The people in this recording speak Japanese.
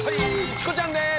チコちゃんです